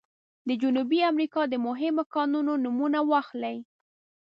د جنوبي امریکا د مهمو کانونو نومونه واخلئ.